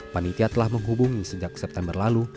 panitia telah menghubungi sejak september lalu